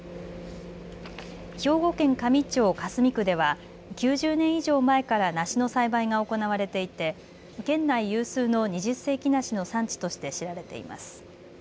兵庫県香美町香住区では９０年以上前から梨の栽培が行われていて、県内有数の二十世紀梨の産地として知られています。